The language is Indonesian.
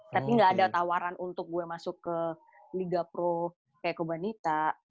tapi gak ada tawaran untuk gue masuk ke liga pro kayak pro banita